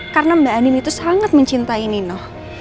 karena mbak andin itu sangat mencintai nino